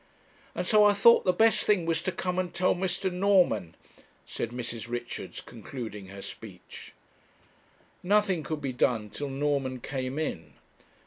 'And so I thought the best thing was to come and tell Mr. Norman,' said Mrs. Richards, concluding her speech. Nothing could be done till Norman came in.